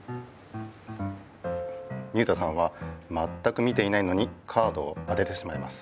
水田さんはまったく見ていないのにカードを当ててしまいます。